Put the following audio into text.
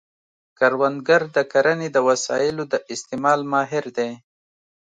کروندګر د کرنې د وسایلو د استعمال ماهر دی